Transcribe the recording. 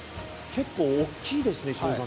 結構大きいですね。